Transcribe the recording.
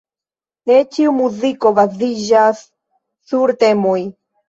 Ne ĉiu muziko baziĝas sur temoj.